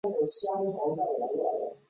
滇葎草为桑科葎草属下的一个种。